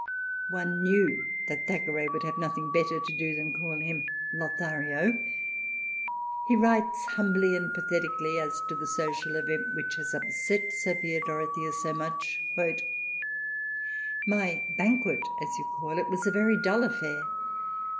(One knew that Thack eray would have had nothing better to do than to call him Lothario !) He writes, humbly and patheti cally, as to the social event which had upset Sophia Dorothea so much. *' My banquet, as you call it, was a very dull affair.